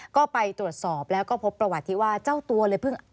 ก็ไปตรวจสอบแล้วก็พบประวัติที่ว่าเจ้าตัวเลยเพิ่ง